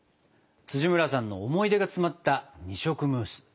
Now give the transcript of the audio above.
村さんの思い出が詰まった二色ムース。